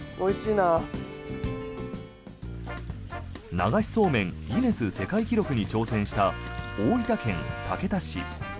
流しそうめんギネス世界記録に挑戦した大分県竹田市。